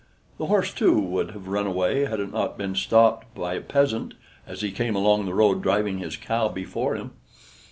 The horse, too, would have run away had it not been stopped by a peasant, as he came along the road, driving his cow before him.